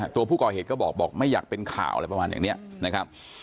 ตัวผู้ก่อเหตุก็บอกบอกไม่อยากเป็นข่าวอะไรประมาณอย่างนี้นะครับ